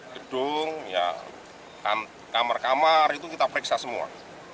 gedung kamar kamar itu kita periksa semua